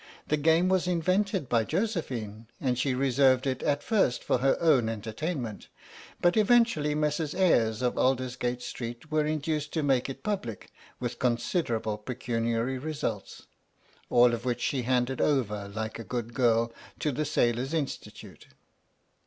The game was invented by Josephine, and she reserved it at first for her own entertainment; but eventually Messrs. Ayres of Alders gate Street were induced to make it public, with considerable pecuniary results, all of which she handed over, like a good girl, to the Sailors' Institute.